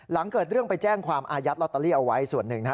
หลังเกิดเรื่องไปแจ้งความอายัดลอตเตอรี่เอาไว้ส่วนหนึ่งนะฮะ